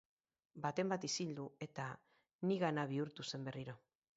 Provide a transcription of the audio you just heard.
Bat-batean isildu, eta nigana bihurtu zen berriro.